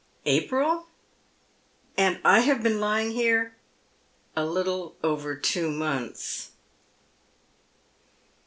" April ? And I have been lying here "" A little over two months."